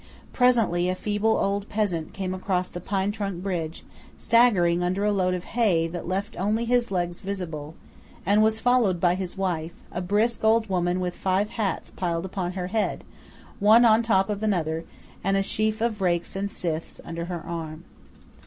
Presently a feeble old peasant came across the pine trunk bridge, staggering under a load of hay that left only his legs visible; and was followed by his wife, a brisk old woman with five hats piled upon her head, one on the top of another, and a sheaf of rakes and scythes under her arm.